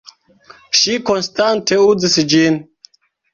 Ŝi konstante uzis ĝin.